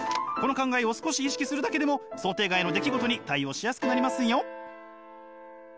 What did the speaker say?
この考えを少し意識するだけでも想定外の出来事に対応しやすくなりますよ！